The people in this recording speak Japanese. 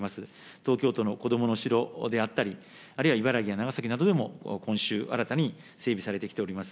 東京都のこどもの城であったり、あるいは、茨城や長崎などでも今週、新たに整備されてきております。